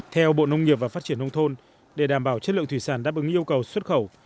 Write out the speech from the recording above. theo bộ nông nghiệp và phát triển nông thôn để đảm bảo chất lượng thủy sản đáp ứng yêu cầu xuất khẩu